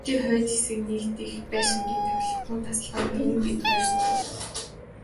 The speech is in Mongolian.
Хотын хойд хэсэг дэх нэг байшингийн тохилогхон тасалгаанд Түмэн бид хоёр суух болов.